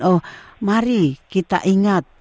oh mari kita ingat